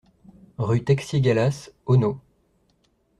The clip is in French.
Rue Texier Gallas, Auneau